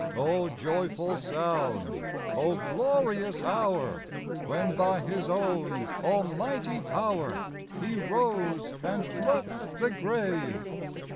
Oh, joyful sound ! Oh, glorious hour, When by His own almighty power He rose and left the grave